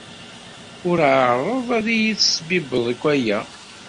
Ur ɛerreḍ ad iyi-tesbibbeḍ akk aya.